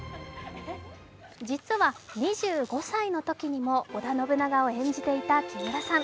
実は２５歳のときにも織田信長を演じていた木村さん。